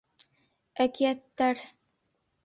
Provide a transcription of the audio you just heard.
Әкиәттәр.